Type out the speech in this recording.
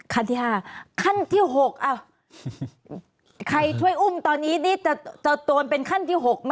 ขั้นที่๕ขั้นที่๖ใครช่วยอุ้มตอนนี้นี่จะโดนเป็นขั้นที่๖ไหม